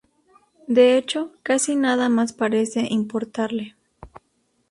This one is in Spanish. De hecho, casi nada más parece importarle...